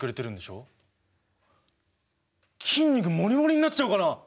筋肉モリモリになっちゃうかな？